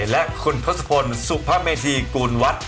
และคุณพฤษพลสุภาเมธีกูลวัตร